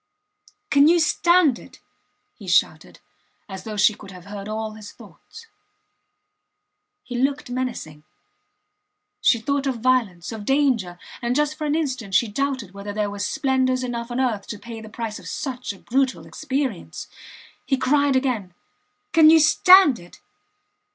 ... Can you stand it? he shouted, as though she could have heard all his thoughts. He looked menacing. She thought of violence, of danger and, just for an instant, she doubted whether there were splendours enough on earth to pay the price of such a brutal experience. He cried again: Can you stand it?